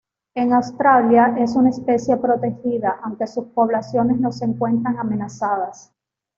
En Australia es una especie protegida, aunque sus poblaciones no se encuentran amenazadas.